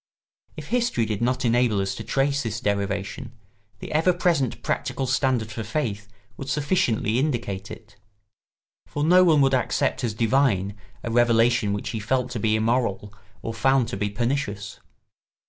If history did not enable us to trace this derivation, the ever present practical standard for faith would sufficiently indicate it; for no one would accept as divine a revelation which he felt to be immoral or found to be pernicious.